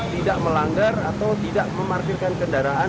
tidak melanggar atau tidak memarkirkan kendaraan